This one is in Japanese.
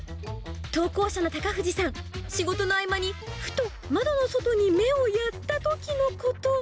投稿者の高藤さん、仕事の合間に、ふと窓の外に目をやったときのこと。